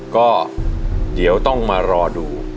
ก็เดี๋ยวต้องมารอดู